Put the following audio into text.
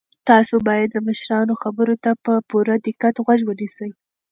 تاسو باید د مشرانو خبرو ته په پوره دقت غوږ ونیسئ.